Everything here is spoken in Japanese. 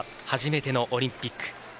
初めてのオリンピック。